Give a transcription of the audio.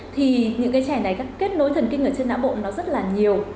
thì những cái trẻ này kết nối thần kinh ở trên não bộ nó rất là nhiều